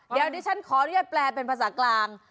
อ๋อเดี๋ยวเดี๋ยวฉันขอให้แปลเป็นภาษากลาง